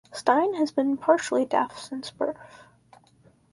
Stine has been partially deaf since birth.